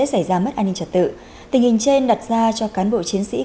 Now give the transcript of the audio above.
xảy ra mất an ninh trật tự tình hình trên đặt ra cho cán bộ chiến sĩ